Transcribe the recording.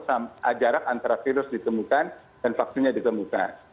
jarak antara virus ditemukan dan vaksinnya ditemukan